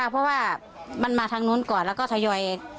ทันค่ะเพราะว่ามันมาทางนู้นก่อนแล้วก็ทะยอยเอง